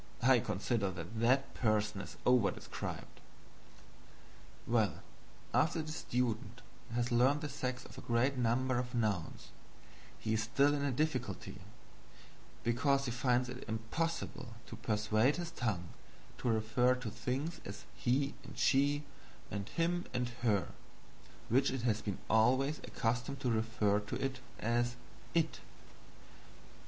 I consider that that person is over described. Well, after the student has learned the sex of a great number of nouns, he is still in a difficulty, because he finds it impossible to persuade his tongue to refer to things as "he" and "she," and "him" and "her," which it has been always accustomed to refer to as "it."